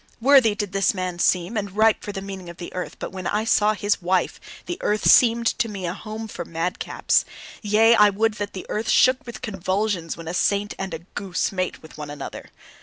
Worthy did this man seem, and ripe for the meaning of the earth: but when I saw his wife, the earth seemed to me a home for madcaps. Yea, I would that the earth shook with convulsions when a saint and a goose mate with one another.